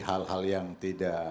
hal hal yang tidak